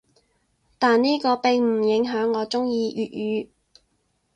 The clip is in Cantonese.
但呢個並唔影響我中意粵語‘